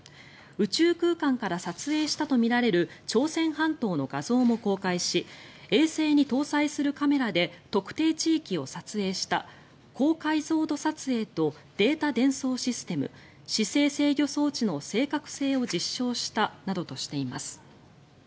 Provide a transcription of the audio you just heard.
宇宙空間から撮影したとみられる朝鮮半島の画像も公開し衛星に搭載するカメラで特定地域を撮影した高解像度撮影とデータ伝送システム姿勢制御装置の正確性を実証したなどとしています。